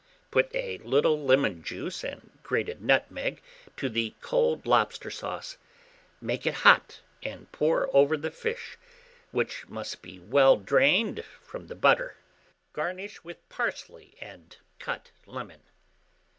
Put a little lemon juice and grated nutmeg to the cold lobster sauce; make it hot, and pour over the fish, which must be well drained from the butter. Garnish with parsley and cut lemon.